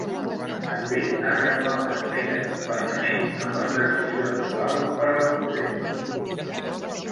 També ha reclamat més acompanyament en les decisions clau per al procés.